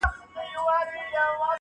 زه چي وګورمه تاته عجیبه سم,